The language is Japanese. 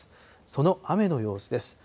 その雨の様子です。